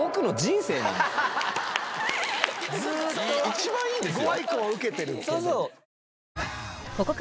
一番いいですよ。